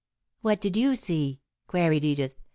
"What did you see?" queried Edith.